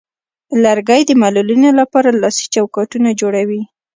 لرګی د معلولینو لپاره لاسي چوکاټونه جوړوي.